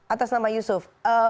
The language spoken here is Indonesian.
atas nama yusuf